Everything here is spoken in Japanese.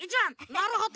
なるほど。